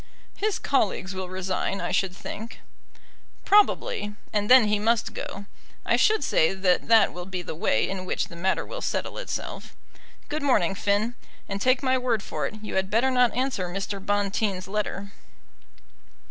"His colleagues will resign, I should think." "Probably; and then he must go. I should say that that will be the way in which the matter will settle itself. Good morning, Finn; and take my word for it, you had better not answer Mr. Bonteen's letter."